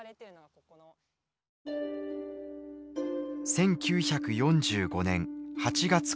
１９４５年８月９日。